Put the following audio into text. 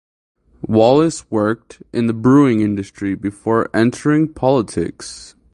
Wallis worked in the brewing industry before entering politics.